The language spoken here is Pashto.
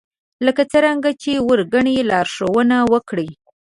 لکه څرنګه چې وړ ګنئ لارښوونه وکړئ